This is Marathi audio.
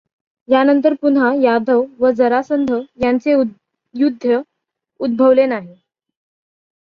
यानंतर पुन्हा यादव व जरासंध यांचे युद्ध उद्भवले नाही.